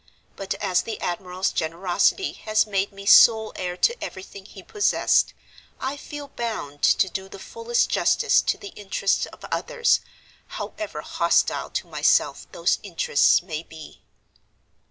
But as the admiral's generosity has made me sole heir to everything he possessed, I feel bound to do the fullest justice to the interests of others, however hostile to myself those interests may be.